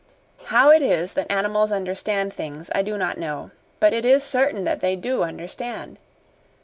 How it is that animals understand things I do not know, but it is certain that they do understand.